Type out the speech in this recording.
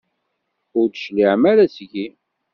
Ur d-tecliɛem ara seg-i?